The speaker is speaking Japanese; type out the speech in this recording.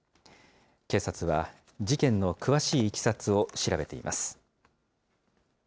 警察は、事件の詳しいいきさつを調べています。